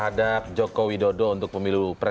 bdp terkejut tidak nanti dijawabnya